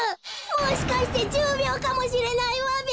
もしかしてじゅうびょうかもしれないわべ。